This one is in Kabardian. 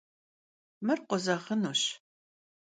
Mır khozeğınuş.